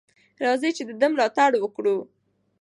راځئ چې د ده ملاتړ وکړو.